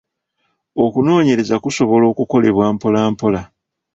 Okunoonyeraza kusobola okukolebwa mpola mpola.